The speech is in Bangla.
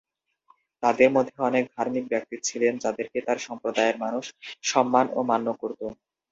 তাদের মধ্যে অনেক ধার্মিক ব্যক্তি ছিলেন যাদেরকে তার সম্প্রদায়ের মানুষ সম্মান ও মান্য করত।